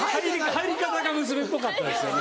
入り方が娘っぽかったですよね。